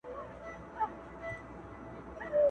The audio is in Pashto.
سلامۍ ته را روان یې جنرالان وه!.